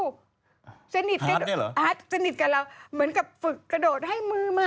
หมาหมาหมาหมาหมาหมาหมาหมาหมาหมาหมาหมาหมาหมาหมา